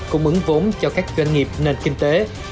cung ứng vốn cho các doanh nghiệp nền kinh tế